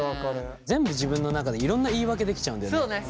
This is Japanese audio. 全部自分の中でいろんな言い訳できちゃうんだよね。